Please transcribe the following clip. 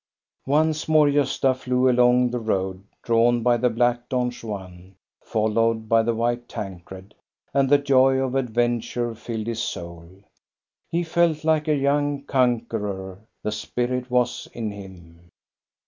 " Once more Gosta flew along the road, drawn by the black Don Juan, followed by the white Tancred, and the joy of adventure filled his soul. He felt like a young conqueror, the spirit was in him.